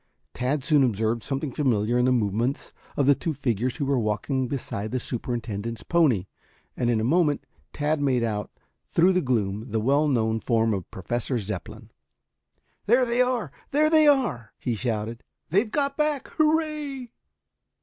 Tad soon observed something familiar in the movements of the two figures who were walking beside the superintendent's pony, and in a moment Tad made out through the gloom the well known form of Professor Zepplin. "There they are! There they are!" he shouted. "They've got back. Hurrah!"